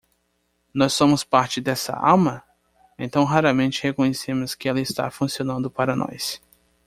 Nós somos parte dessa alma?, então raramente reconhecemos que ela está funcionando para nós.